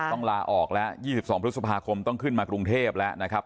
ต้องลาออกแล้ว๒๒พฤษภาคมต้องขึ้นมากรุงเทพแล้วนะครับ